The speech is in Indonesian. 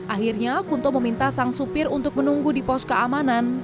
akhirnya kunto meminta sang supir untuk menunggu di pos keamanan